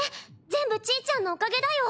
全部ちーちゃんのおかげだよ。